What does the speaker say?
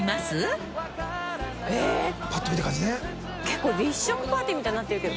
結構立食パーティーみたいになってるけど。